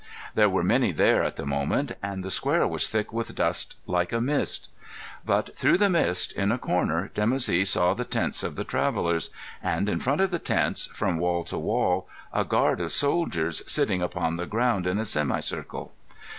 There were many there at the moment; and the square was thick with dust like a mist. But, through the mist, in a corner, Dimoussi saw the tents of the travellers, and, in front of the tents, from wall to wall, a guard of soldiers sitting upon the ground in a semicircle.